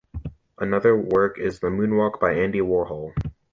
Another work is the "Moonwalk" by Andy Warhol.